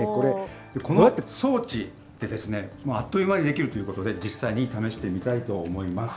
この装置であっという間にできるということで、実際に試してみたいと思います。